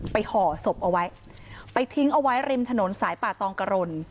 ห่อศพเอาไว้ไปทิ้งเอาไว้ริมถนนสายป่าตองกะรน